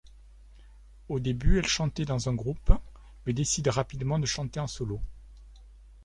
Au début, elle chantait dans un groupe, mais décide rapidement de chanter en solo.